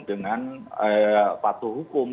dengan patuh hukum